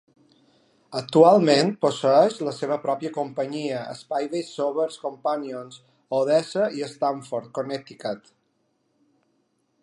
Actualment posseeix la seva pròpia companyia, Spivey's Sober Companions, a Odessa i Stamford, Connecticut.